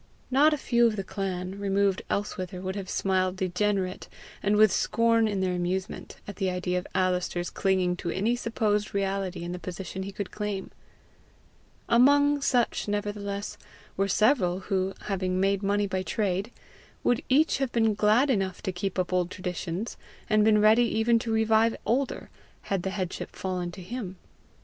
Not a few of the clan, removed elsewhither, would have smiled degenerate, and with scorn in their amusement, at the idea of Alister's clinging to any supposed reality in the position he could claim. Among such nevertheless were several who, having made money by trade, would each have been glad enough to keep up old traditions, and been ready even to revive older, had the headship fallen to him.